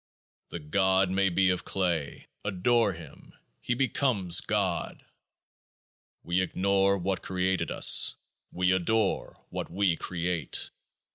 The god may be of clay : adore him ; he be comes GOD. We ignore what created us ; we adore what we create.